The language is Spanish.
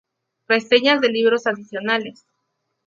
Reseñas de libros adicionales